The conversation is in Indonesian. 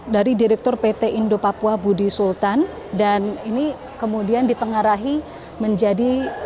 dari direktur pt indo papua budi sultan dan ini kemudian ditengarai menjadi